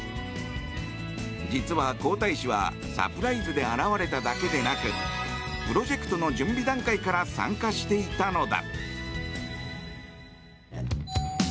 実は皇太子はサプライズで現れただけでなくプロジェクトの準備段階から参加していたのだ。